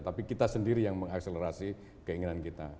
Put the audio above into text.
tapi kita sendiri yang mengakselerasi keinginan kita